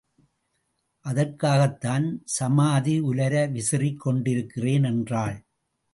அதற்காகத்தான் சமாதி உலர விசிறிக் கொண்டிருக்கிறேன் என்றாள்.